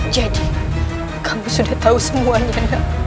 jadi kamu sudah tahu semuanya nanda